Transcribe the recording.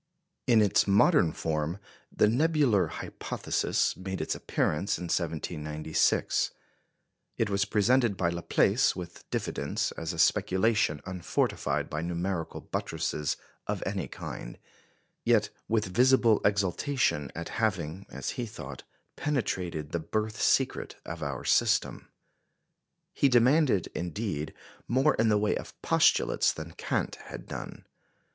In its modern form, the "Nebular Hypothesis" made its appearance in 1796. It was presented by Laplace with diffidence, as a speculation unfortified by numerical buttresses of any kind, yet with visible exultation at having, as he thought, penetrated the birth secret of our system. He demanded, indeed, more in the way of postulates than Kant had done.